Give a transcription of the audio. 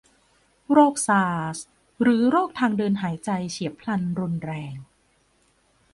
โรคซาร์สหรือโรคทางเดินหายใจเฉียบพลันรุนแรง